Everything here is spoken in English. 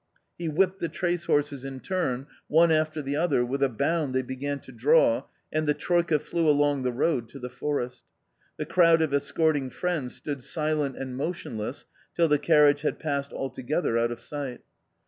He whipped the trace horses in turn one after the other, with a bound they began to draw and the troika flew along the road to the forest. The crowd of escorting friends stood silent and motionless till the carriage had passed altogether out of sight.